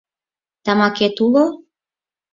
Тамакет уло?